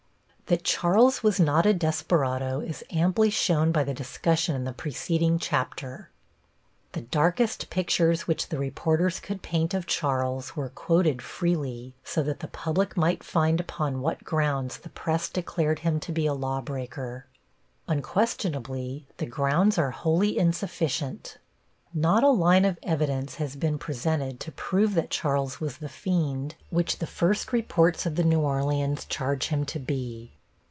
That Charles was not a desperado is amply shown by the discussion in the preceding chapter. The darkest pictures which the reporters could paint of Charles were quoted freely, so that the public might find upon what grounds the press declared him to be a lawbreaker. Unquestionably the grounds are wholly insufficient. Not a line of evidence has been presented to prove that Charles was the fiend which the first reports of the New Orleans charge him to be.